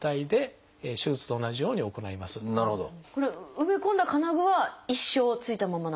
埋め込んだ金具は一生ついたままなんですか？